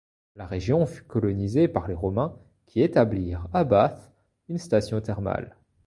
La région fut colonisée par les Romains qui établirent à Bath une station thermale.